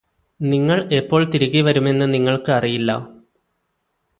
നിങ്ങള് എപ്പോൾ തിരികെ വരുമെന്ന് നിങ്ങള്ക്ക് അറിയില്ല